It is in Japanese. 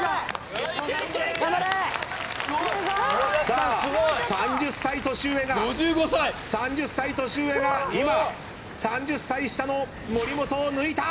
さあ３０歳年上が３０歳年上が今３０歳下の森本を抜いた！